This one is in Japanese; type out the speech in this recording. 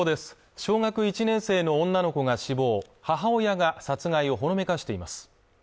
小学１年生の女の子が死亡母親が殺害をほのめかしています